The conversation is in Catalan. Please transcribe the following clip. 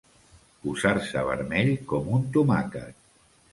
Posar-se vermell com un tomàquet.